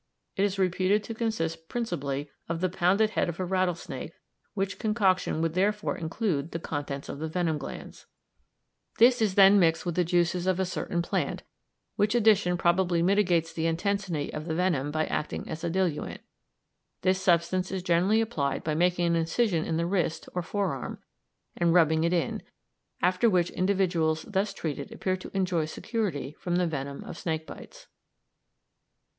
It is reputed to consist principally of the pounded head of a rattlesnake, which concoction would therefore include the contents of the venom glands. This is then mixed with the juices of a certain plant, which addition probably mitigates the intensity of the venom by acting as a diluent. This substance is generally applied by making an incision in the wrist or forearm and rubbing it in, after which individuals thus treated appear to enjoy security from the venom of snake bites.